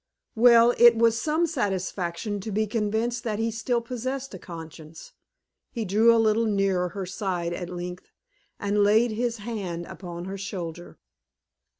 Well, it was some satisfaction to be convinced that he still possessed a conscience. He drew a little nearer her side at length, and laid his hand upon her shoulder.